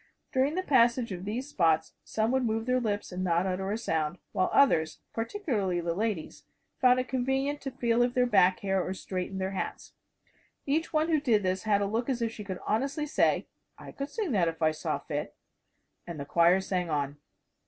During the passage of these spots some would move their lips and not utter a sound, while others particularly the ladies found it convenient to feel of their back hair or straighten their hats. Each one who did this had a look as if she could honestly say, "I could sing that if I saw fit" and the choir sang on.